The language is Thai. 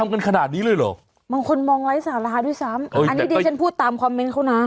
กันขนาดนี้เลยเหรอบางคนมองไร้สาราด้วยซ้ำอันนี้ดิฉันพูดตามคอมเมนต์เขานะ